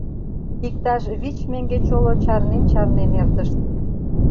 Иктаж вич меҥге чоло чарнен-чарнен эртышт.